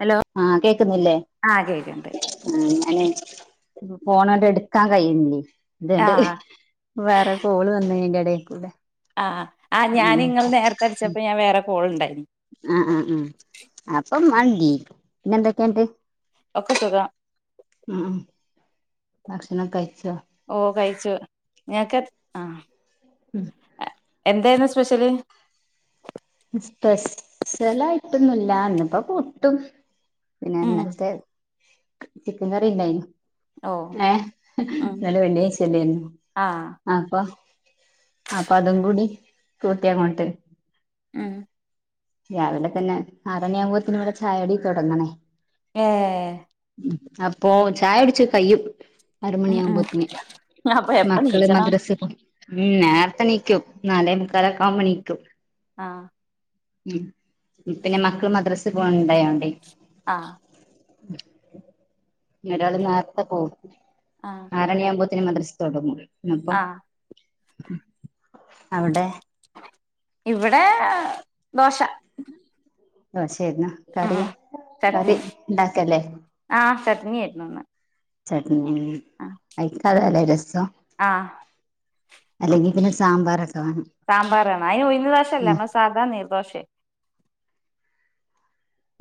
Hello ആഹ് കേക്കുന്നില്ലേ. ആഹ് കേക്ക്ണ്ട് ആഹ് ഞാന് ഫോണണ്ട് എട്ക്കാ കഴിയുന്നില്ലേ അതുകണ്ട്. ആഹ് വേറെ കോള് വന്നതിൻ്റെടെ കൂടെ. ആഹ് ആ ഞാനിങ്ങൾ നേര്ത്തെ അട്ച്ചപ്പ ഞാ വേറെ കോൾ ണ്ടയിന്. ആഹ് ആഹ് ആഹ് അപ്പം മന്തി പിന്നെന്തൊക്കെണ്ട്. ഒക്കെ സുഖ. ഉം ഭക്ഷണം കഴിച്ചോ. ഓഹ് കയിച്ചു ഞക്കെ ആ. [unintelligible] അ എന്തായിരുന്നു സ്പെഷ്യല് സ്പെസ്--ലായിട്ടൊന്നുംല്ല ന്നിപ്പോ പുട്ടും പിന്നെ ഉം ഇന്നലത്തെ ചിക്കൻ കറീണ്ടായിനു ഓ ഏഹ് ഉം ന്നലെ വെള്ളിയാഴ്ച്ചല്ലായിന്നു ആഹ് അപ്പൊ അപ്പൊ അതും കൂടി കൂട്ടിയങ്ങോട്ട് ഏഹ് രാവിലെ തന്നെ ആറണിയാകുമ്പത്തിനി ഇവിടെ ചായകുടി തുടങ്ങണേ ഏഹ് അപ്പൊ ചായകുടിച്ചു കയ്യും ആറുമണി ഉം ഉം ആകുമ്പോത്തിനി അപ്പൊ എപ്പ മക്കള് നീച്ചണം മദ്രസ്ൽ പോയി ഉം നേരത്തെണീക്കും നാലേ മുക്കാലൊക്ക ആവുമ്പോണീക്കും ആഹ് മ്മ് മക്കള് മദ്രസെ പോവാനൊണ്ടായോണ്ടേ ആഹ് ഒരാള് നേരത്തെ പോവും ആഹ് ആറരയാവുമ്പോത്തന് മദ്രസ തൊടങ്ങും അപ്പം ആഹ് അവിടെ ഇവിടെ ദോശ ദോശേര്ന്നാ ഉം കറിയ ചട്നി കറി ഇണ്ടാക്കെല്ലേ ആഹ് ചട്നി ആയിരുന്നു ഇന്ന് ചട്ണീ ആഹ് ആയിക്കതല്ലെ രസ ആഹ് അല്ലെങ്കിൽ പിന്നെ സാമ്പാറൊക്കെ വേണം സാമ്പാറാണ് അയ് ഉഴുന്ന് ദോശല്ല ഉം നമ്മ സാധാ നീർ ദോശേ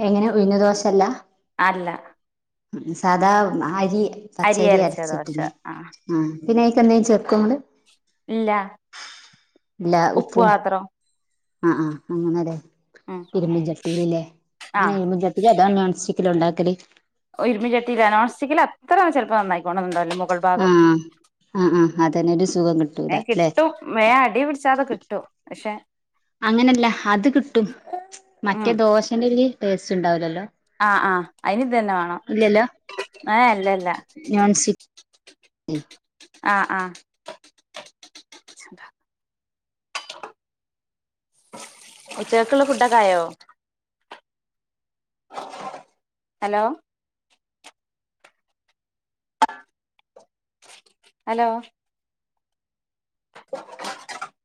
എങ്ങനെ ഉയുന്നു ദോശല്ല അല്ല സാദാ അരി അരി പച്ചരി അരച്ച ദോശ അരച്ചിട്ട് ആഹ് ആ പിന്നെയിക്ക് എന്തേം ചേർക്കുങ്ങള് ഇല്ല ഇല്ല ഉപ്പ് ഉപ്പും മാത്രം ആഹ് ആഹ് അങ്ങനരെ ഉം ഇരുമ്പിചട്ടിയിലല്ലേ അങ്ങനെ ആഹ് ഇരുമ്പിച ഇല്ല ദാ നോൻസ്റ്റിക്കിലാ ഉണ്ടാക്കല് ഇരുമ്പ് ചട്ടിൽ നോൻസ്റ്റിക്കിൽ അത്ര ചിലപ്പോൾ നന്നായി കോണന്നില്ല മുഗൾ ഭാഗം ആഹ് ആഹ് ആഹ് അതന്നെ ഒരു സുഖം കിട്ടൂല ഏഹ് ല്ലേ കിട്ടും വേ അടി പിടിച്ചാതെ കിട്ടും പക്ഷെ അങ്ങനെയല്ല അത് കിട്ടും ഉം മറ്റേ ദോശന്റെ ഒരു ടേസ്റ്റ് ഉണ്ടാവല്ലാല്ലോ ആഹ് ആഹ് അയിന് ഇത് ന്നെ വേണം ഏഹ് അല്ല അല്ല നോൺസ്റ്റിക്ക് ആഹ് ആഹ് ഉച്ചക്കുള്ള ഫുഡൊക്കെ ആയോ ഹലോ ഹലോ [unintelligible]